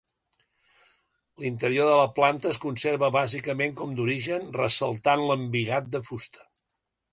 L'interior de la planta es conserva bàsicament com d'origen, ressaltant l'embigat de fusta.